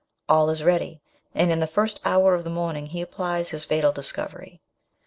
All is ready, and in the first hour of the morning he applies his fatal discovery.